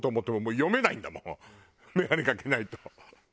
眼鏡かけないと。